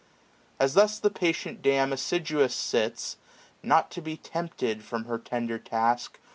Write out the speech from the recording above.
As thus the patient dam assiduous sits, Not to be tempted from her tender task.